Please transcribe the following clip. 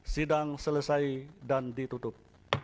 sidang selesai dan ditutup